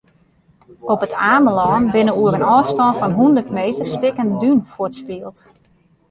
Op It Amelân binne oer in ôfstân fan hûndert meter stikken dún fuortspield.